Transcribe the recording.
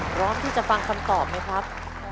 พร้อมที่จะฟังคำตอบไหมครับ